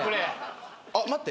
あっ待って。